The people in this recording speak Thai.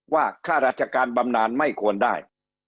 ว่าค่ารัชการบำนานไม่ควรได้